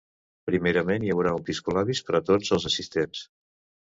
Primerament hi haurà un piscolabis per a tots els assistents.